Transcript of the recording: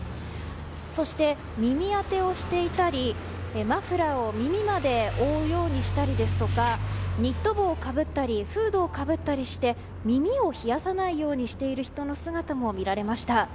そして、耳当てをしていたりマフラーを耳まで覆うようにしたりですとかニット帽をかぶったりフードをかぶったりして耳を冷やさないようにしている人の姿も見られました。